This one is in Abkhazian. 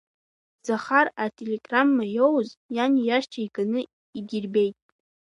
Захар ателеграмма иоуз, иани иашьцәеи иганы идирбеит.